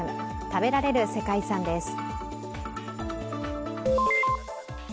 食べられる世界遺産です。